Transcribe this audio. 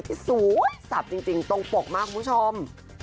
สวยสับจริงตรงปกมากคุณผู้ชม